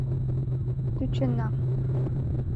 Тӧчена.